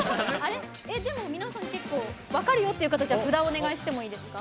皆さん、結構分かるよって方札をお願いしてもいいですか。